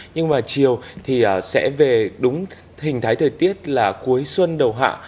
nhưng mà chiều thì sẽ về đúng hình thái thời tiết là cuối xuân đầu hạ